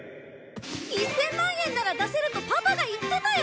１０００万円なら出せるとパパが言ってたよ！